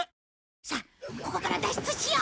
さあここから脱出しよう！